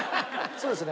そうですね